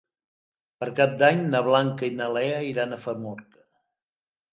Per Cap d'Any na Blanca i na Lea iran a Famorca.